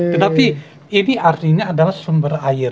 tetapi ini artinya adalah sumber air